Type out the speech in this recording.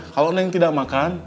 kalo neng tidak makan